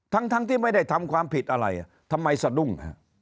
ทั้งที่ไม่ได้ทำความผิดอะไรทำไมสะดุ้ง